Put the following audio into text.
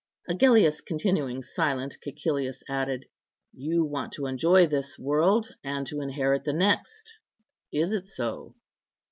Agellius continuing silent, Cæcilius added, "You want to enjoy this world, and to inherit the next; is it so?"